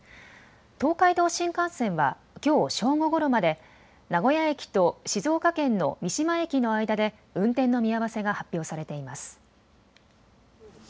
東海道新幹線はきょう正午ごろまで名古屋駅と静岡県の三島駅の間で運転の見合わせが発表されています。